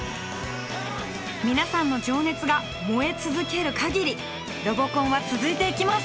皆さんの情熱が燃え続けるかぎりロボコンは続いていきます。